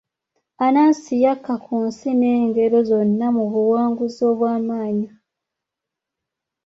Anansi yakka ku nsi n'engero zonna mu buwanguzi obw'amaanyi.